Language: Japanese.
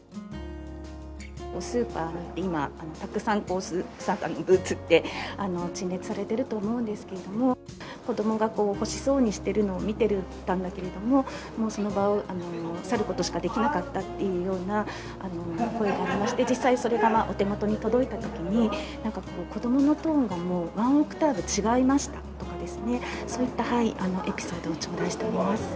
スーパーに今、たくさん、サンタのブーツって陳列されてると思うんですけれども、子どもが欲しそうにしてるのを見ていたんだけれども、その場を去ることしかできなかったというようなお声がありまして、実際、それがお手元に届いたときに、なんか子どものトーンがもうワンオクターブ違いましたとかですね、そういったエピソードを頂戴しております。